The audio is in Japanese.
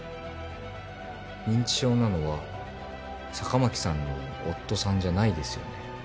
認知症なのは坂巻さんの夫さんじゃないですよね。